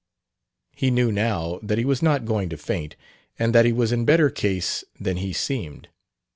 He knew, now, that he was not going to faint, and that he was in better case than he seemed.